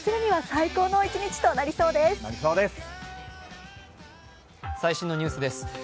最新のニュースです。